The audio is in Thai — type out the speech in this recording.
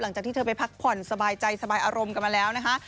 หลังจากที่เธอไปพักผ่อนสบายใจสบายอารมณ์กันมาแล้วนะคะ